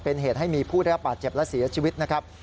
เป็นเหตุให้มีผู้ได้รับบาดเจ็บและเสียชีวิตนะครับ